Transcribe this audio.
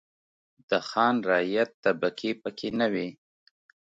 د خان-رعیت طبقې پکې نه وې.